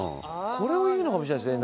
これを言うのかもしれないですね。